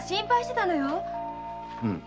うん。